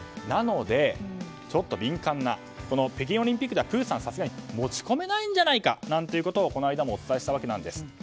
なので、ちょっと敏感な北京オリンピックではプーさんはさすがに持ち込めないんじゃないかということをこの間もお伝えしたわけなんです。